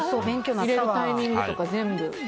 入れるタイミングとか全部。